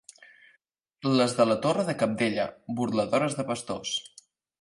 Les de la Torre de Cabdella, burladores de pastors.